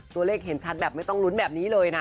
ตัวเลขเห็นชัดแบบไม่ต้องลุ้นแบบนี้เลยนะ